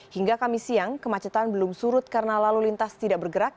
hingga kamis siang kemacetan belum surut karena lalu lintas tidak bergerak